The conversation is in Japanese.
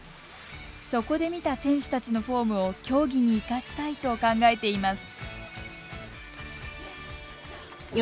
そこで見た選手たちのフォームを競技に生かしたいと考えています。